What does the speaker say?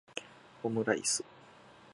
オムライス